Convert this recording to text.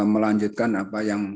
melanjutkan apa yang